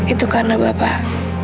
itu karena bapak